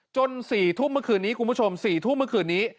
๔ทุ่มเมื่อคืนนี้คุณผู้ชม๔ทุ่มเมื่อคืนนี้